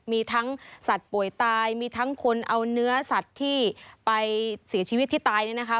มีทั้งสัตว์ป่วยตายมีทั้งคนเอาเนื้อสัตว์ที่ไปเสียชีวิตที่ตายเนี่ยนะคะ